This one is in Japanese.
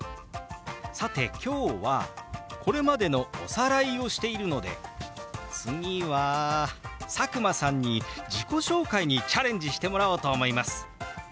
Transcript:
さて今日はこれまでのおさらいをしているので次は佐久間さんに自己紹介にチャレンジしてもらおうと思います。